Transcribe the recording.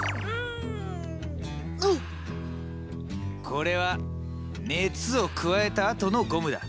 これは熱を加えたあとのゴムだ。